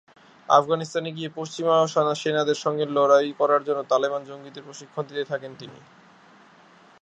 আফগানিস্তানে গিয়ে পশ্চিমা সেনাদের সঙ্গে লড়াই করার জন্য তালেবান জঙ্গিদের প্রশিক্ষণ দিতে থাকেন তিনি।